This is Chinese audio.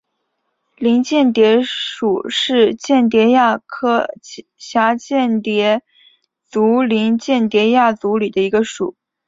林蚬蝶属是蚬蝶亚科蛱蚬蝶族林蚬蝶亚族里的一个属。